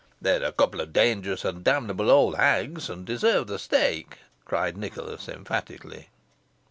"They're a couple of dangerous and damnable old hags, and deserve the stake," cried Nicholas, emphatically.